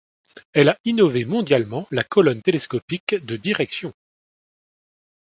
Elle a innové mondialement la colonne télescopique de direction.